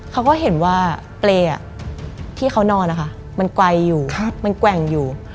เขาก็เห็นว่าเปรย์ที่เขานอนนะคะมันไกลอยู่มันแกว่งอยู่